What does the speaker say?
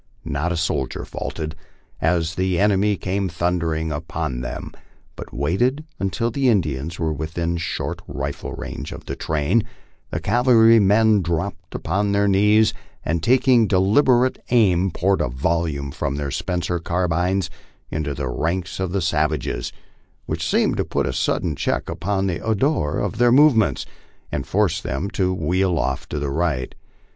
Not a soldier faltered as the enemy came thundering upon them, but waiting until the Indians were within short rifle range of the train, the cavalrymen dropped upon their knees, and taking deliberate aim poured a vol ley from their Spencer carbines into the ranks of the savages, which seemed to put a sudden check upon the ardor of their movements and forced them to wheel off to the right.